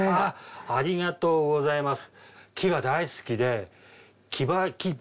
ありがとうございます。